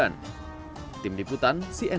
akan semakin meningkat hingga datangnya hari raya kurban